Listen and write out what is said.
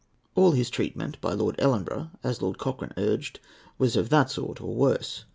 All his treatment by Lord Ellenborough, as Lord Cochrane urged, was of that sort, or worse.